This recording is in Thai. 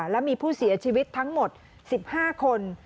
และมีผู้เสียชีวิตทั้งหมด๑๕คน